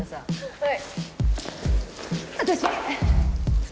はい？